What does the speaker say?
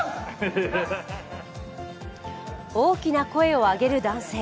大きな声を上げる男性。